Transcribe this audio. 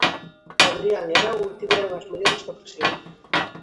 Adrián e Raúl tiveron as mellores ocasións.